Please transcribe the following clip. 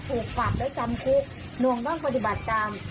ถูกปรับและจำคุกนวงต้องปฏิบัติตาม